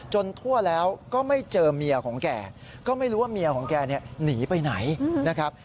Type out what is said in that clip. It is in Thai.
ทั่วแล้วก็ไม่เจอเมียของแกก็ไม่รู้ว่าเมียของแกเนี่ยหนีไปไหนนะครับ